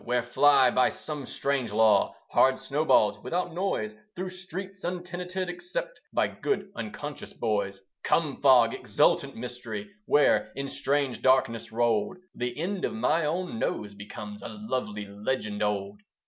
where fly, by some strange law, Hard snowballs without noise Through streets untenanted, except By good unconscious boys. Come fog! exultant mystery Where, in strange darkness rolled, The end of my own nose becomes A lovely legend old.